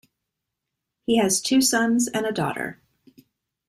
He has two sons and a daughter.